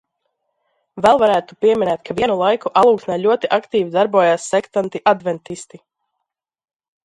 Vēl varētu pieminēt, ka vienu laiku Alūksnē ļoti aktīvi darbojās sektanti adventisti.